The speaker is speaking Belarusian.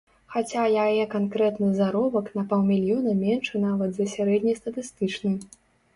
Хаця яе канкрэтны заробак на паўмільёна меншы нават за сярэднестатыстычны.